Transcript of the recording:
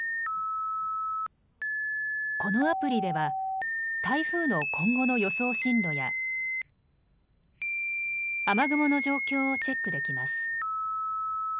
このアプリでは台風の今後の予想進路や雨雲の状況をチェックできます。